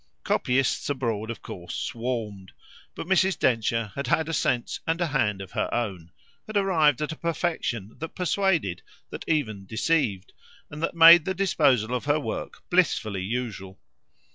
Copyists abroad of course swarmed, but Mrs. Densher had had a sense and a hand of her own, had arrived at a perfection that persuaded, that even deceived, and that made the "placing" of her work blissfully usual.